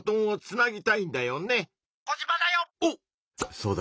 「そうだ」。